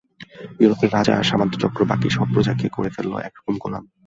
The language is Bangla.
ইউরোপে রাজা আর সামন্তচক্র বাকী সব প্রজাকে করে ফেললে এক রকম গোলাম।